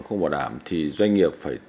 không bảo đảm thì doanh nghiệp phải